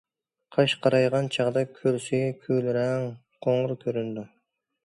قاش قارايغان چاغدا كۆل سۈيى كۈل رەڭ قوڭۇر كۆرۈنىدۇ.